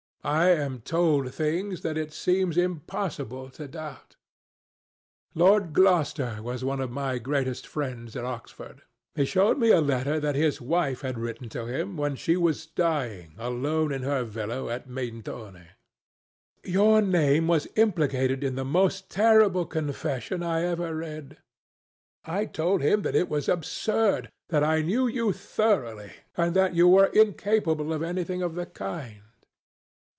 I am told things that it seems impossible to doubt. Lord Gloucester was one of my greatest friends at Oxford. He showed me a letter that his wife had written to him when she was dying alone in her villa at Mentone. Your name was implicated in the most terrible confession I ever read. I told him that it was absurd—that I knew you thoroughly and that you were incapable of anything of the kind.